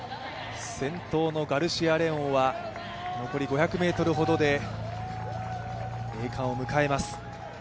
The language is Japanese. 先頭のガルシア・レオンは残り５００ｍほどで栄冠を迎えます。